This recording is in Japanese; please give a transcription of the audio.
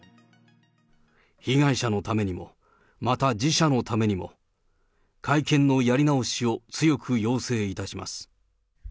被害者のためにも、また自社のためにも、会見のやり直しを強く要請いたします。